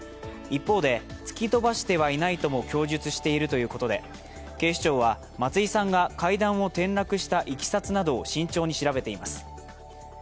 一方で、突き飛ばしてはいないとも供述しているということで警視庁は、松井さんが階段を転落したいきさつなどを慎重に調べています。